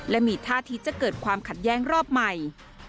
และมีท่าที่จะเกิดความขัดแย้งรอบใหม่